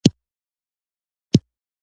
زما د سرکښو پښتنو وطنه